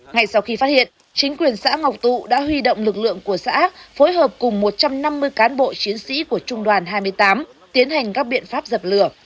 ngay sau khi phát hiện chính quyền xã ngọc tụ đã huy động lực lượng của xã phối hợp cùng một trăm năm mươi cán bộ chiến sĩ của trung đoàn hai mươi tám tiến hành các biện pháp dập lửa